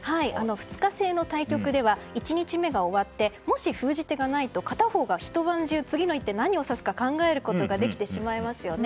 ２日制の対局では１日目が終わってもし封じ手がないと片方が一晩中次の一手何を指すか考えることができてしまいますよね。